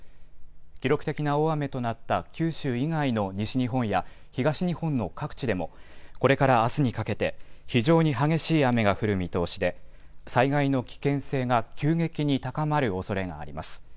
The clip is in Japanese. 記録的な大雨となった九州以外の西日本や東日本の各地でも、これからあすにかけて、非常に激しい雨が降る見通しで、災害の危険性が急激に高まるおそれがあります。